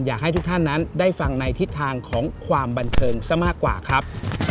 อยากให้ทุกท่านนั้นได้ฟังในทิศทางของความบันเทิงซะมากกว่าครับ